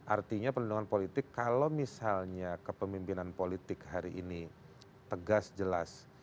artinya perlindungan politik kalau misalnya kepemimpinan politik hari ini tegas jelas